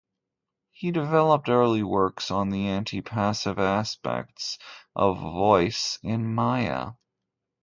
He developed early works on the antipassive and aspects of voice in Maya.